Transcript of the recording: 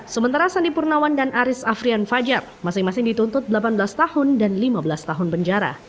sementara sandi purnawan dan aris afrian fajar masing masing dituntut delapan belas tahun dan lima belas tahun penjara